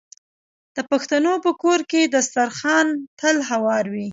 د پښتنو په کور کې دسترخان تل هوار وي.